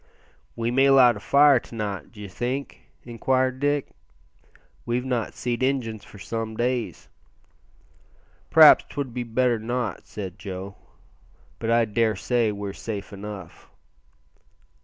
"We may light a fire to night, d'ye think?" inquired Dick; "we've not seed Injuns for some days." "P'r'aps 'twould be better not," said Joe; "but I daresay we're safe enough."